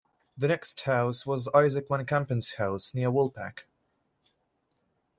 The next house was Isaac Van Campen's house near Walpack.